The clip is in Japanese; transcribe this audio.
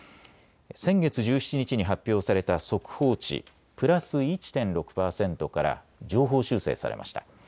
先月１７日に発表された速報値、プラス１．６％から上方修正されました。